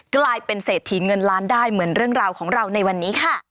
กลายเป็นเศรษฐีเงินล้านได้เหมือนเรื่องราวของเราในวันนี้ค่ะ